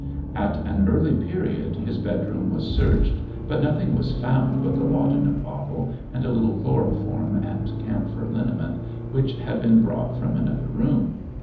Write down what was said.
At an early period his bedroom was searched, but nothing was found but the laudanum bottle, and a little chloroform and camphor liniment which had been brought from another room.